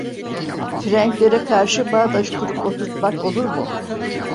Frenklere karşı bağdaş kurup oturtmak olur mu?